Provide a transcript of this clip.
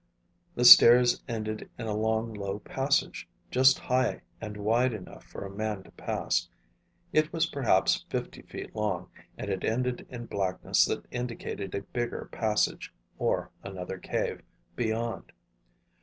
The stairs ended in a long, low passage, just high and wide enough for a man to pass. It was perhaps fifty feet long, and it ended in blackness that indicated a bigger passage, or another cave, beyond.